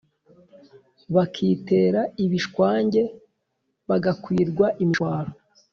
bakitera ibishwange bagakwirwa imishwaro